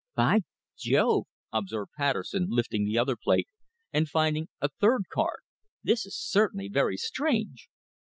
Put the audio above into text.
"By Jove!" observed Patterson, lifting the other plate, and finding a third card, "this is certainly very strange."